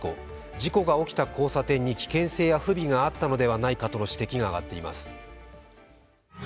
事故が起きた交差点に危険性や不備があったのではないかとの指摘が上がっています。